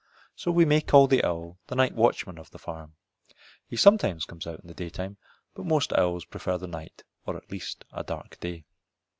So we may call the owl the night watchman of the farm. He sometimes comes out in the daytime, but most owls prefer the night or at least a dark day.